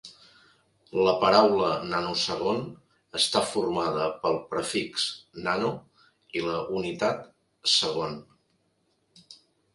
La paraula nanosegon està formada pel prefix "nano" i la unitat "segon".